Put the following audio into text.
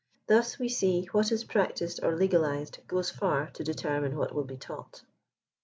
Thus, we see, what is practised or legalized goes far to determine what will be taught.